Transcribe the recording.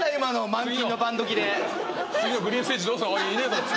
次のグリーンステージどうすんのおいいねえぞっつって。